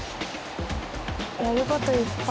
やる事いっぱい。